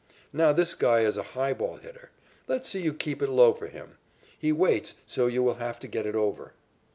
Now, this guy is a high ball hitter. Let's see you keep it low for him. He waits, so you will have to get it over."